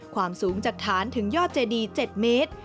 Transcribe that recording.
ความสูงจากฐานถึงยอดเจดี๗เมตร